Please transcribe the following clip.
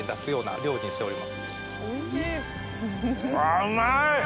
あうまい！